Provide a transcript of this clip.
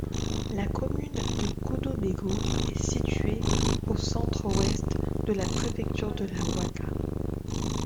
La commune de Koudou-Bégo est située au centre-ouest de la préfecture de la Ouaka.